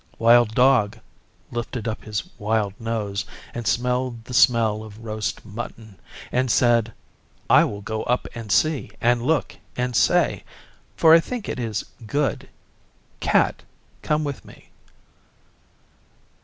Wild Dog lifted up his wild nose and smelled the smell of roast mutton, and said, 'I will go up and see and look, and say; for I think it is good. Cat, come with me.